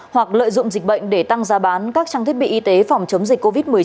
hoặc lợi dụng dịch bệnh để tăng giá bán các trang thiết bị y tế phòng chống dịch covid một mươi chín